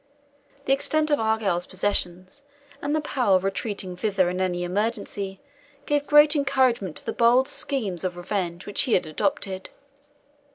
The extent of Argyle's possessions, and the power of retreating thither in any emergency, gave great encouragement to the bold schemes of revenge which he had adopted.